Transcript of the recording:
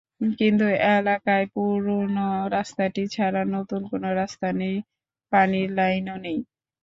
কিন্তু এলাকায় পুরোনো রাস্তাটি ছাড়া নতুন কোনো রাস্তা নেই, পানির লাইনও নেই।